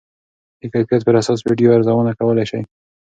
د کیفیت پر اساس ویډیو ارزونه کولی شئ.